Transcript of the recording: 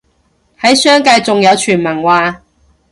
喺商界仲有傳聞話